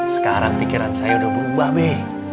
sekarang pikiran saya udah berubah me